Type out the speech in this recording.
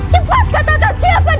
cepat katakan siapa dirimu ya sebenarnya